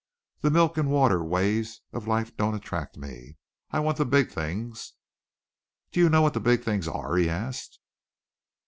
"The milk and water ways of life don't attract me. I want the big things." "Do you know what the big things are?" he asked.